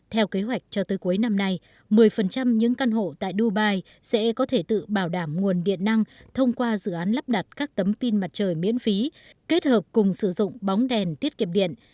theo kế hoạch cho tới cuối năm nay một mươi những căn hộ tại dubai sẽ có thể tự bảo đảm nguồn điện năng thông qua dự án lắp đặt các tấm pin mặt trời miễn phí kết hợp cùng sử dụng bóng đèn tiết kiệm điện